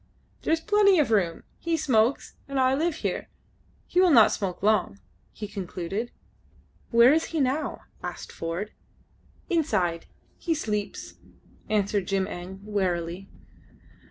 "There is plenty of room. He smokes, and I live here. He will not smoke long," he concluded. "Where is he now?" asked Ford. "Inside. He sleeps," answered Jim Eng, wearily.